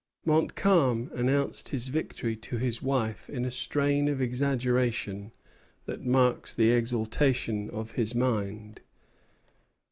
Montcalm announced his victory to his wife in a strain of exaggeration that marks the exaltation of his mind.